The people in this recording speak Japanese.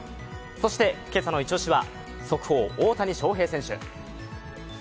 そして今朝のイチ押しは速報、大谷翔平選手。